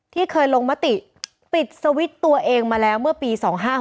ที่เคยลงมติปิดสวิตช์ตัวเองมาแล้วเมื่อปี๒๕๖๖